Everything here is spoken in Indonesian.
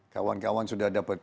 kawan kawan sudah dapet